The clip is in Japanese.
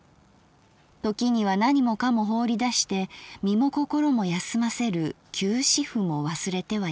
ときには何もかも放り出して身も心も休ませる休止符も忘れてはいけない。